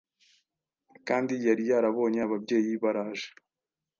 kandi yari yarabonye ababyeyi baraje